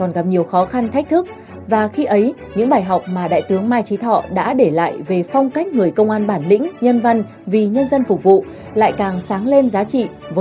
vì dân đó là tấm gương của đại tướng mai trí thọ và cũng là mệnh lệnh